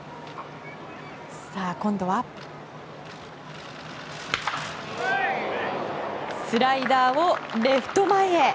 今度はスライダーをレフト前へ。